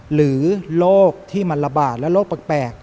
โรคที่มันระบาดและโรคแปลก